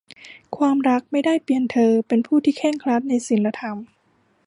ความรักไม่ได้เปลี่ยนเธอเป็นผู้ที่เคร่งครัดในศีลธรรม